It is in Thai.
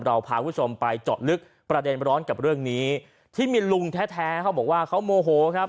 เราพาคุณผู้ชมไปเจาะลึกประเด็นร้อนกับเรื่องนี้ที่มีลุงแท้เขาบอกว่าเขาโมโหครับ